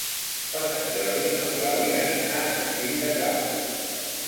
Per Sant Jordi n'Eulàlia anirà a Castell de Cabres.